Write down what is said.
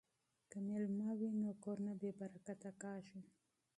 که میلمه وي نو کور نه بې برکته کیږي.